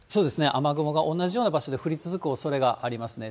雨雲が同じような場所で降り続くおそれがありますね。